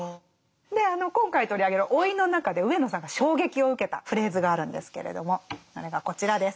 であの今回取り上げる「老い」の中で上野さんが衝撃を受けたフレーズがあるんですけれどもそれがこちらです。